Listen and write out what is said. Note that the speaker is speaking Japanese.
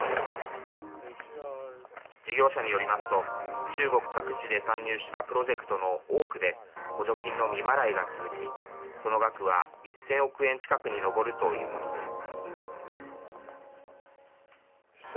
事業者によりますと中国各地で参入したプロジェクトの多くで補助金の未払いが続きその額は、１０００億円近くに上るということです。